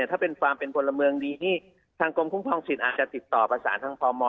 ถ้าเป็นฟาร์มเป็นพลเมืองดีนี่ทางกรมคุ้มครองสิทธิ์อาจจะติดต่อประสานทางพม